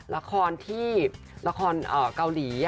ละครที่ละครเกาหลี